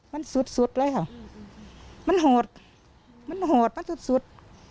มันสุดสุดเลยค่ะมันโหดมันโหดมันสุดสุด